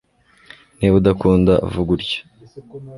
Niba udakunda vuga utyo